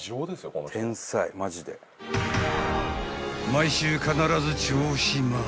［毎週必ず銚子丸］